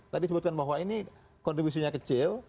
tadi sebutkan bahwa ini kontribusinya kecil